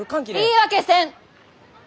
言い訳せん！